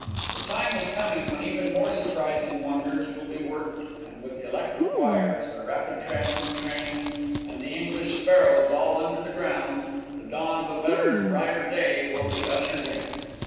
The time is coming when even more surprising wonders will be worked, and with electric wires, the rapid transit trains, and the English sparrows all under the ground, the dawn of a better and brighter day will be ushered in.